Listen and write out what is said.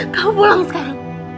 kamu pulang sekarang